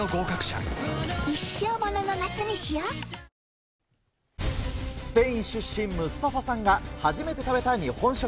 ニトリスペイン出身、ムスタファさんが初めて食べた日本食。